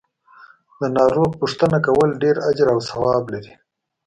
د ناروغ پو ښتنه کول ډیر اجر او ثواب لری .